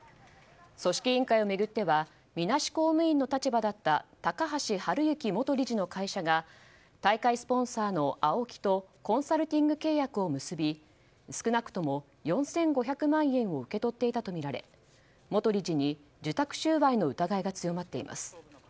組織委員会を巡ってはみなし公務員の立場だった高橋治之元理事の会社が大会スポンサーのＡＯＫＩとコンサルティング契約を結び少なくとも４５００万円を受け取っていたとみられ元理事に受託収賄の疑いが強まっています。